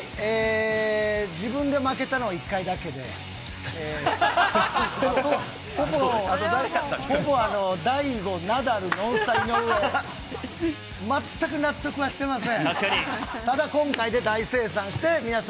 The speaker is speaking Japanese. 自分で負けたの１回だけで、ほぼ大悟、ナダル、ノンスタ・井上、全く納得はしてません。